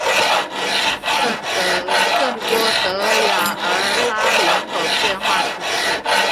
圣波德雅尔拉人口变化图示